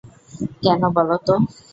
কেন বলো তো।